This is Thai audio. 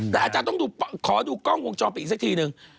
แต่อาจารย์ต้องถูกขอดูกล้องวงจรปิธีนึง